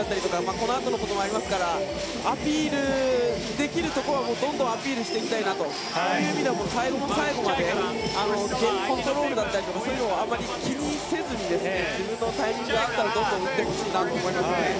このあとのこともありますからアピールできるところはどんどんアピールしていきたいなというそういう意味だと最後の最後までゲームコントロールだとかそういうのをあまり気にせずに自分のタイミングでどんどん打ってほしいなと思いますね。